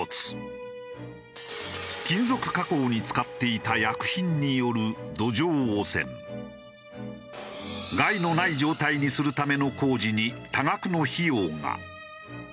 金属加工に使っていた害のない状態にするための工事に多額の費用が。